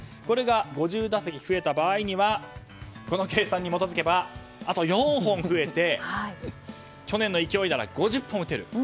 これが５０打席増えた場合にはこの計算に基づけばあと４本増えて去年の勢いなら５０本打てる。